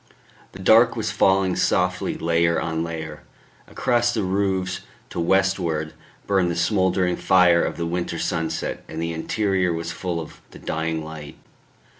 The dark was falling softly layer on layer; across the roofs to westward burned the smouldering fire of the winter sunset, and the interior was full of the dying light.